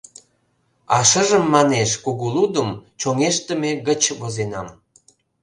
А шыжым, манеш, кугу лудым чоҥештыме гыч возенам...»